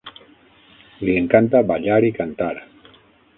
Li encanta ballar i cantar.